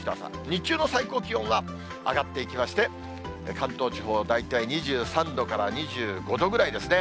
日中の最高気温は上がっていきまして、関東地方、大体２３度から２５度ぐらいですね。